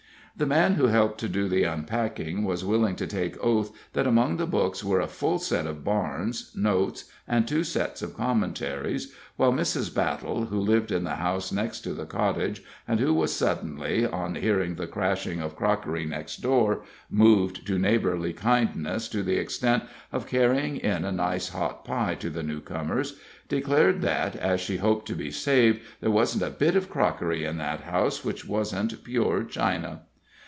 The man who helped to do the unpacking was willing to take oath that among the books were a full set of Barnes, Notes, and two sets of commentaries, while Mrs. Battle, who lived in the house next to the cottage, and who was suddenly, on hearing the crashing of crockery next door, moved to neighborly kindness to the extent of carrying in a nice hot pie to the newcomers, declared that, as she hoped to be saved, there wasn't a bit of crockery in that house which wasn't pure china.